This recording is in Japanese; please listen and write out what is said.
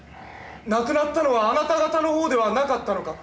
亡くなったのはあなた方の方ではなかったのか。